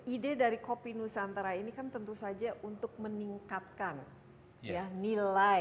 ide dari kopi nusantara ini kan tentu saja untuk meningkatkan nilai